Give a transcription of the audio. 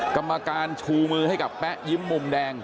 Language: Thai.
กรรมการชูมือให้กับแป๊ะยิ้มมุมแดง